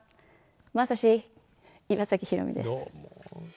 まさし岩崎宏美です。